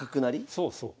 そうそう。